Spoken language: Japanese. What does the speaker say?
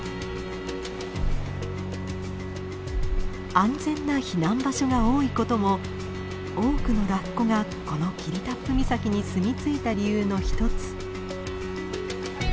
安全な避難場所が多いことも多くのラッコがこの霧多布岬にすみ着いた理由の一つ。